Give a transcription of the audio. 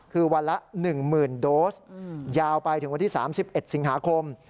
คือวันละ๑๐๐๐โดสยาวไปถึงวันที่๓๑สิงหาคม